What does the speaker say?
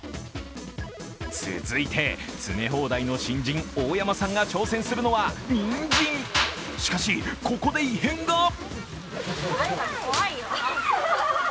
続いて、詰め放題の新人大山さんが挑戦するのは、にんじんしかし、ここで異変が。